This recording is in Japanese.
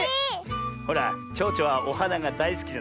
ほらちょうちょはおはながだいすきじゃない？